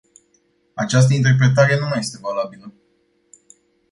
Această interpretare nu mai este valabilă.